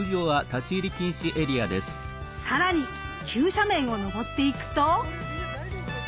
更に急斜面を登っていくと。